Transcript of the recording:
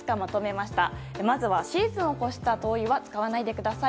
まずはシーズンを越した灯油は使わないでください。